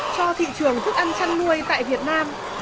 cho thị trường thức ăn chăn nuôi tại việt nam